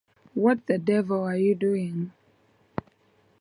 What the devil are you doing?